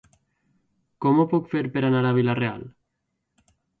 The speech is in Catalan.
Com ho puc fer per anar a Vila-real?